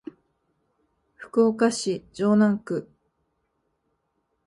福岡市城南区